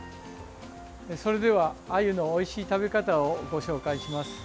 それでは、アユのおいしい食べ方をご紹介します。